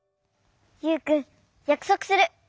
ユウくんやくそくする。